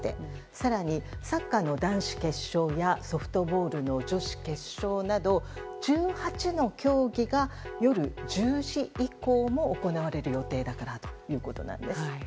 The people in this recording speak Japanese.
更に、サッカーの男子決勝やソフトボールの女子決勝など１８の競技が夜１０時以降も行われる予定だからということなんです。